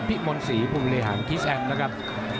พิมมศรีพุงริห่างครีสต์แอมแล้วกับ